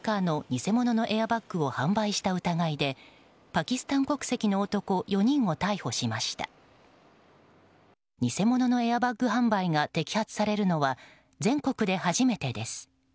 偽物のエアバッグ販売が摘発されるのは全国で初めてです。